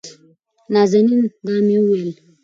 نازنين: دا مې وېل